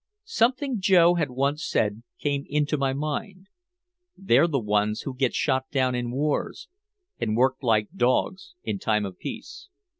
Something Joe had once said came into my mind: "They're the ones who get shot down in wars and worked like dogs in time of peace."